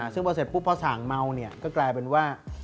ซึ่งพอเสร็จปุ๊บพอสั่งเมาเนี่ยก็กลายเป็นว่า